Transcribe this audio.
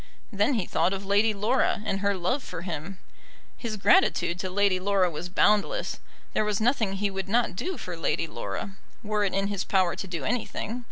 Then he thought of Lady Laura, and her love for him. His gratitude to Lady Laura was boundless. There was nothing he would not do for Lady Laura, were it in his power to do anything.